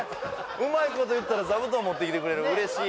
うまいこと言ったら座布団持ってきてくれる嬉しい